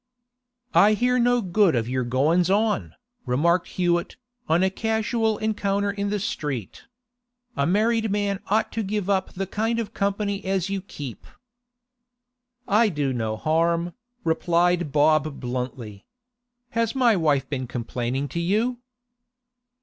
'I hear no good of your goin's on,' remarked Hewett, on a casual encounter in the street. 'A married man ought to give up the kind of company as you keep.' 'I do no harm,' replied Bob bluntly. 'Has my wife been complaining to you?